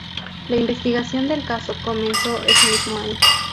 La investigación del caso comenzó ese mismo año.